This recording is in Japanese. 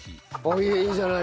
いいじゃない！